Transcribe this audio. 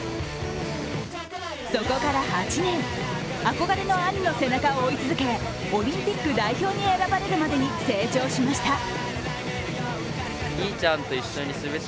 そこから８年、憧れの兄の背中を追い続け、オリンピック代表に選ばれるまでに成長しました。